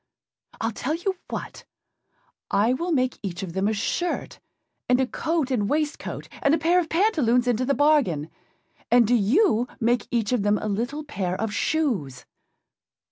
Iâll tell you what, I will make each of them a shirt, and a coat and waistcoat, and a pair of pantaloons into the bargain; and do you make each of them a little pair of shoes.